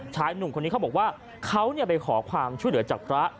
ชายหนุ่มคนนี้เขาบอกว่าเขาไปขอความช่วยเหลือจากพระ